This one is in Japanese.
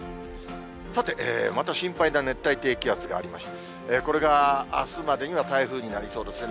さて、また心配な熱帯低気圧がありまして、これがあすまでには台風になりそうですね。